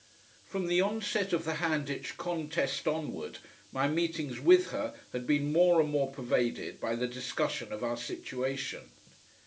From the onset of the Handitch contest onward, my meetings with her had been more and more pervaded by the discussion of our situation.